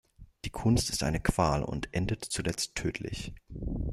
Die Kunst ist eine Qual und endet zuletzt tödlich.